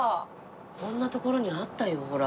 こんな所にあったよほら。